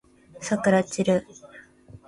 さくらちる